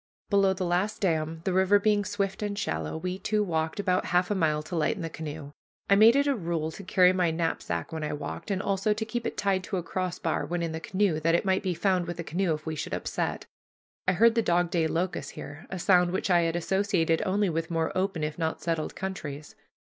Below the last dam, the river being swift and shallow, we two walked about half a mile to lighten the canoe. I made it a rule to carry my knapsack when I walked, and also to keep it tied to a crossbar when in the canoe, that it might be found with the canoe if we should upset. I heard the dog day locust here, a sound which I had associated only with more open, if not settled countries.